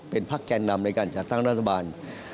เป็นพักแก่นำในการจัดตั้งรัฐบาล